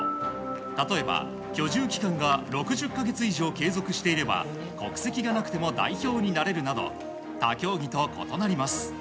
例えば、居住期間が６０か月以上継続していれば国籍がなくても代表になれるなど他競技と異なります。